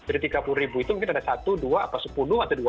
jadi tiga puluh ribu itu mungkin ada satu dua atau sepuluh atau dua puluh